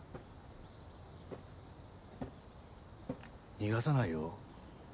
逃がさないよ。